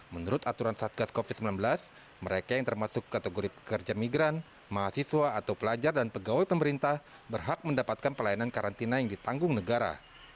menurut aturan satgas covid sembilan belas mereka yang termasuk kategori pekerja migran mahasiswa atau pelajar dan pegawai pemerintah berhak mendapatkan pelayanan karantina yang ditanggung negara